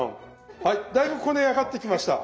はいだいぶこね上がってきました。